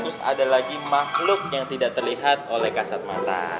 terus ada lagi makhluk yang tidak terlihat oleh kasat mata